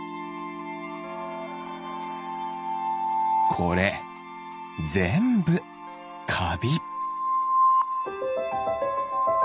これぜんぶかび。